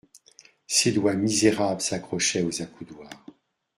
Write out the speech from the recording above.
Ses doigts misérables s'accrochaient aux accoudoirs.